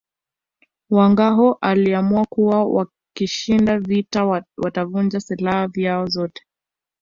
Wangâhoo waliamua kuwa wakishinda vita watavunja silaha zao zote